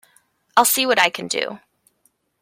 I'll see what I can do.